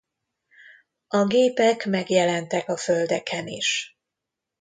A gépek megjelentek a földeken is.